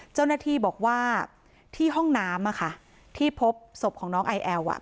เจ้าหน้าที่บอกว่าที่ห้องน้ำที่พบศพของน้องไอแอลอ่ะ